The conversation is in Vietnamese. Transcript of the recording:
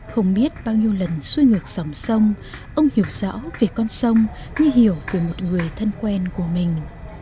không biết bao nhiêu lần xuôi ngược dòng sông ông hiểu rõ về con sông như hiểu về một người thân quen của mình